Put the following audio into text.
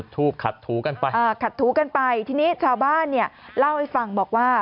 ทูบขัดถูกันไปอ่าขัดถูกันไปทีนี้ชาวบ้านเนี่ยเล่าให้ฟังบอกว่า